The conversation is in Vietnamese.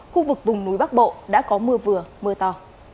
khu vực vùng núi bắc bộ đã có mưa vừa mưa to